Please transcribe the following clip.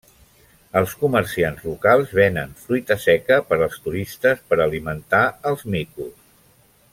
Els comerciants locals venen fruita seca per als turistes per alimentar els micos.